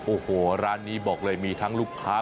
โอ้โหร้านนี้บอกเลยมีทั้งลูกค้า